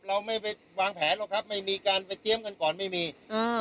เราไม่ไปวางแผนหรอกครับไม่มีการไปเตรียมกันก่อนไม่มีอ่า